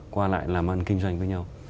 qua lại làm ăn kinh doanh với nhau